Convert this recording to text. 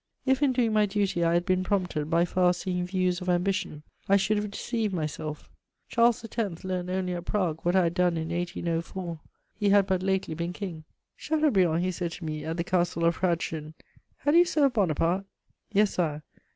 If, in doing my duty, I had been prompted by far seeing views of ambition, I should have deceived myself. Charles X. learnt only at Prague what I had done in 1804: he had but lately been King. "Chateaubriand," he said to me at the Castle of Hradschin, "had you served Bonaparte?" "Yes, Sire."